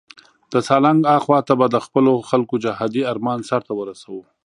د سالنګ اخواته به د خپلو خلکو جهادي آرمان سرته ورسوو.